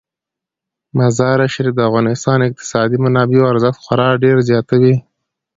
مزارشریف د افغانستان د اقتصادي منابعو ارزښت خورا ډیر زیاتوي.